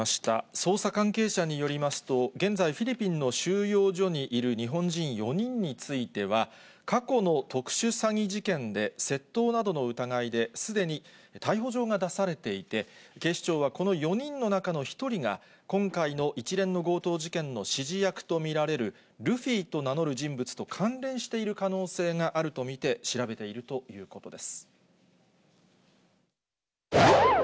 捜査関係者によりますと、現在、フィリピンの収容所にいる日本人４人については、過去の特殊詐欺事件で、窃盗などの疑いで、すでに逮捕状が出されていて、警視庁は、この４人の中の１人が、今回の一連の強盗事件の指示役と見られるルフィと名乗る人物と関連している可能性があると見て、調べているということです。